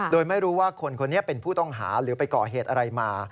โดยไม่รู้ว่าคนคนนี้เป็นผู้ต้องหาหรือไปก่อเหตุอะไรมา